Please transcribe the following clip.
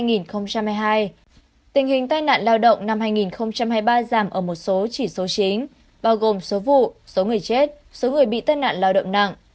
tình hình tai nạn lao động năm hai nghìn hai mươi ba giảm ở một số chỉ số chính bao gồm số vụ số người chết số người bị tai nạn lao động nặng